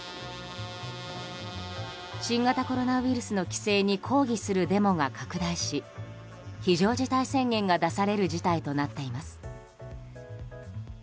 新型コロナウイルスの規制に抗議するデモが拡大し非常事態宣言が出される事態となっています。